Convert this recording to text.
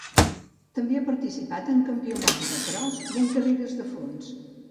També ha participat en campionats de cros i en carreres de fons.